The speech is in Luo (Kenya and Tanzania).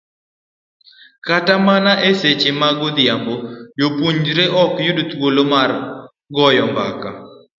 Kata mana e seche mag odhiambo, jopuonjre ok yud thuolo mar goyo mbaka